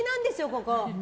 ここ。